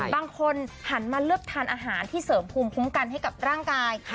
บางคนหันมาเลือกทานอาหารที่เสริมภูมิคุ้มกันให้กับร่างกาย